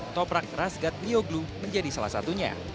toprak rasgat bioglu menjadi salah satunya